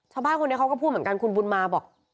ชาวบ้านคนนี้เขาก็พูดเหมือนกันคุณบุญมาบอก